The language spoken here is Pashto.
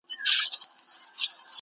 ایا بهرني سوداګر انځر صادروي؟